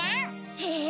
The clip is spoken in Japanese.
へえ！